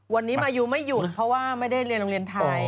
วันนี้มายูไม่หยุดเพราะว่าไม่ได้เรียนโรงเรียนไทย